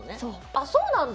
あっそうなんだ。